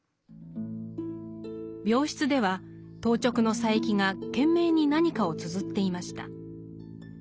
病室では当直の佐柄木が懸命に何かをつづっていました。